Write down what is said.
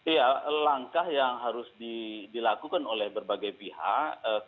iya langkah yang harus dilakukan oleh berbagai pihak